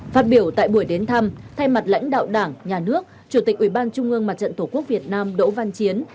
phát biểu tại buổi đến thăm thay mặt lãnh đạo đảng nhà nước chủ tịch ủy ban trung ương mặt trận tổ quốc việt nam đỗ văn chiến